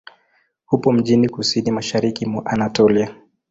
Upo mjini kusini-mashariki mwa Anatolia.